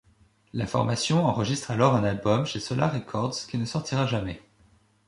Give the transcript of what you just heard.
La formation enregistre alors un album chez Solar Records qui ne sortira jamais.